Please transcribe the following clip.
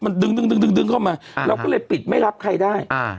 มันดึงดึงเข้ามาเราก็เลยปิดไม่รับใครได้อ่า